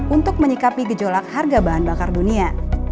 untuk menyikapi gejolak harga bahan bakar dunia